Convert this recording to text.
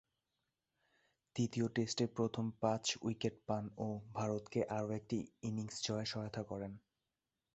তৃতীয় টেস্টে প্রথম পাঁচ উইকেট পান ও ভারতকে আরও একটি ইনিংস জয়ে সহায়তা করেন।